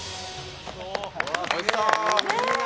おいしそう。